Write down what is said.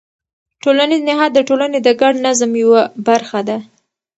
ټولنیز نهاد د ټولنې د ګډ نظم یوه برخه ده.